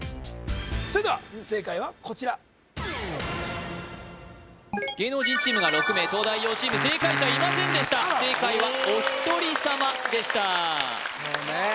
それでは正解はこちら芸能人チームが６名東大王チーム正解者いませんでした正解はお一人様でしたそうね